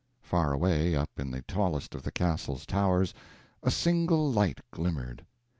Far away up in the tallest of the castle's towers a single light glimmered.